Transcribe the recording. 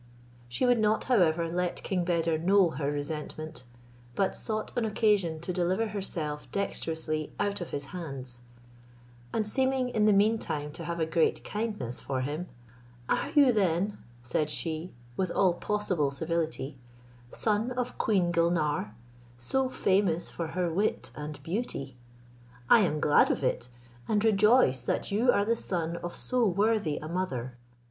She would not, however, let King Beder know her resentment; but sought an occasion to deliver herself dexterously out of his hands; and seeming in the meantime to have a great kindness for him, "Are you then," said she, with all possible civility, "son of the Queen Gulnare, so famous for her wit and beauty? I am glad of it, and rejoice that you are the son of so worthy a mother.